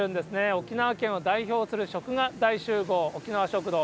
沖縄県を代表する食が大集合、沖縄食堂。